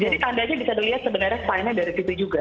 jadi tandanya bisa dilihat sebenarnya selainnya dari situ juga